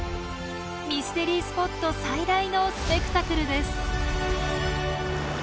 ミステリースポット最大のスペクタクルです。